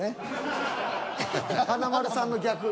華丸さんの逆。